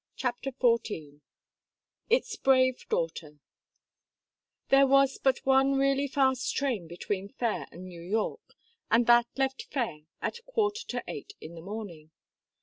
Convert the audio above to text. CHAPTER FOURTEEN ITS BRAVE DAUGHTER There was but one really fast train between Fayre and New York, and that left Fayre at quarter to eight in the morning.